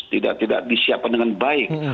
tidak disiapkan dengan baik